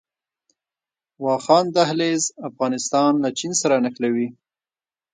واخان دهلیز افغانستان له چین سره نښلوي